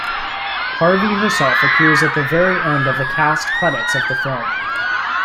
Harvey herself appears at the very end of the cast credits of the film.